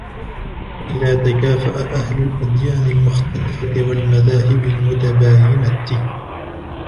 وَإِذَا تَكَافَأَ أَهْلُ الْأَدْيَانِ الْمُخْتَلِفَةِ وَالْمَذَاهِبِ الْمُتَبَايِنَةِ